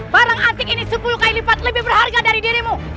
barang yang lebih berharga dari dirimu